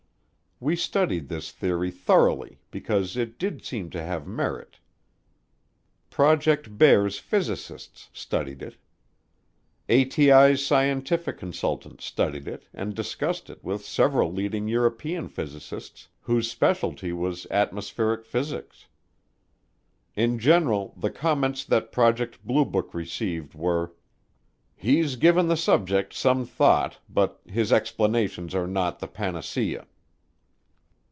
We studied this theory thoroughly because it did seem to have merit. Project Bear's physicists studied it. ATIC's scientific consultants studied it and discussed it with several leading European physicists whose specialty was atmospheric physics. In general the comments that Project Blue Book received were, "He's given the subject some thought but his explanations are not the panacea."